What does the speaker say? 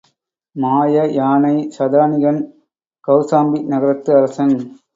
மாய யானை சதானிகன் கௌசாம்பி நகரத்து அரசன்.